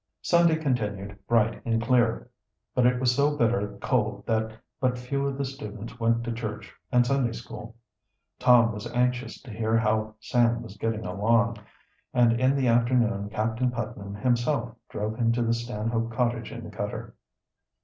Sunday continued bright and clear, but it was so bitter cold that but few of the students went to church and Sunday school. Tom was anxious to hear how Sam was getting along, and in the afternoon Captain Putnam himself drove him to the Stanhope cottage in the cutter.